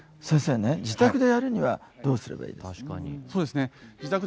先生ね自宅でやるにはどうすればいいんですか。